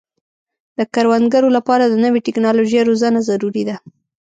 د کروندګرو لپاره د نوې ټکنالوژۍ روزنه ضروري ده.